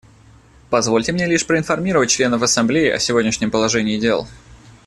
Позвольте мне лишь проинформировать членов Ассамблеи о сегодняшнем положении дел.